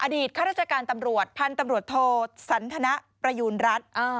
ข้าราชการตำรวจพันธุ์ตำรวจโทสันทนประยูณรัฐ